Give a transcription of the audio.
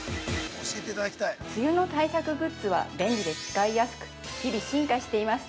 ◆梅雨の対策グッズは便利で使いやすく日々進化しています。